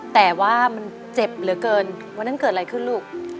แต่ว่ามันเจ็บเหลือเกินวันนั้นเกิดอะไรขึ้นลูก